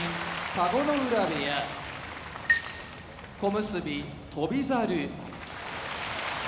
田子ノ浦部屋小結・翔猿